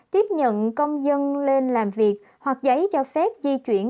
tiếp nhận công dân lên làm việc hoặc giấy cho phép di chuyển